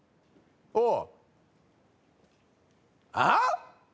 あっ？